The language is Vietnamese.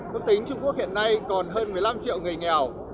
quốc tính trung quốc hiện nay còn hơn một mươi năm triệu người nghèo